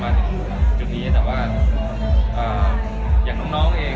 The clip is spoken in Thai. พอถึงเวลามันหมายถึง